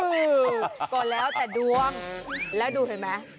ก็แล้วแต่ดวงแล้วดูเห็นไหม